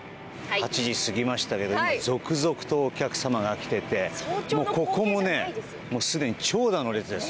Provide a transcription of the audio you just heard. ８時過ぎましたけど今、続々とお客様が来ていてここもすでに長蛇の列です。